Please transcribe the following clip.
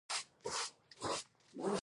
د مقطع وروستۍ مصرع له مطلع دویمې مصرع سره.